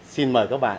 xin mời các bạn